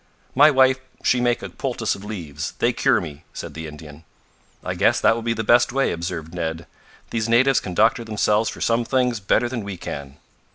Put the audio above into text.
"My wife she make a poultice of leaves they cure me," said the Indian. "I guess that will be the best way," observed Ned. "These natives can doctor themselves for some things, better than we can."